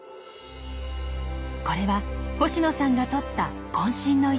これは星野さんが撮った渾身の一枚。